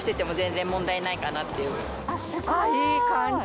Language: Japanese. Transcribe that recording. あっすごい！いい感じ！